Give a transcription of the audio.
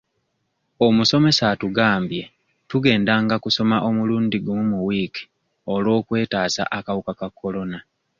Omusomesa atugambye tugendanga kusoma omulundi gumu mu wiiki olw'okwetaasa akawuka ka Corona.